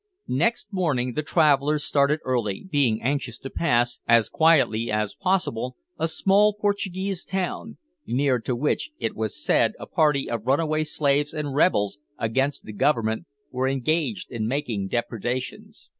Next morning the travellers started early, being anxious to pass, as quietly as possible, a small Portuguese town, near to which it was said a party of runaway slaves and rebels against the Government were engaged in making depredations.